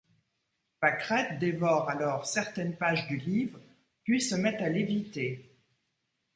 Pâquerette dévore alors certaines pages du livre puis se met à léviter.